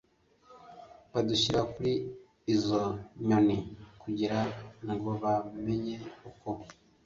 badushyira kuri izo nyoni kugira ngo bamenye uko